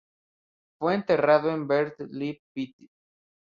Fue enterrado en Vert-le-Petit.